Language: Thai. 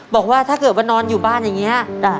บอกว่าถ้าเกิดว่านอนอยู่บ้านอย่างนี้